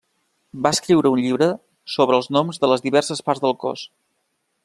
Va escriure un llibre sobre els noms de les diverses parts del cos.